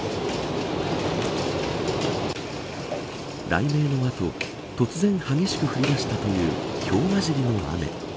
雷鳴の後突然、激しく降りだしたというひょうまじりの雨。